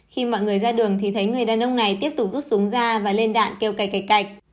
khi mọi người ra đường thì thấy người đàn ông này tiếp tục rút súng ra và lên đạn kêu cày cây cạch